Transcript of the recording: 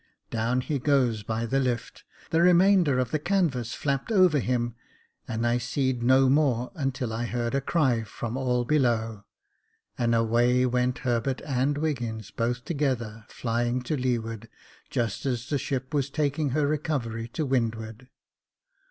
"Down he goes by the lift, the remainder of the canvas flapped over him, and I seed no more until I heard a cry from all below, and away went Herbert and Wiggins, both together, flying to leeward just as th€ ship was taking her recovery to windward.